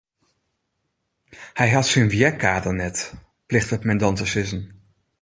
Hy hat syn wjergader net, plichtet men dan te sizzen.